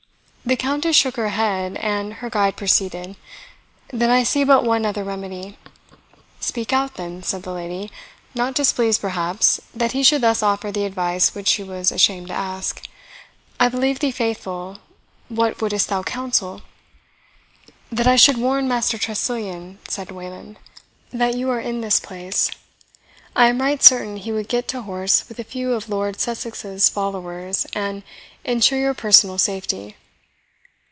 The Countess shook her head, and her guide proceeded, "Then I see but one other remedy." "Speak out, then," said the lady, not displeased, perhaps, that he should thus offer the advice which she was ashamed to ask; "I believe thee faithful what wouldst thou counsel?" "That I should warn Master Tressilian," said Wayland, "that you are in this place. I am right certain he would get to horse with a few of Lord Sussex's followers, and ensure your personal safety."